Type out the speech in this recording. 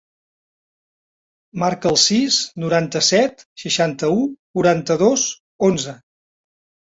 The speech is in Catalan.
Marca el sis, noranta-set, seixanta-u, quaranta-dos, onze.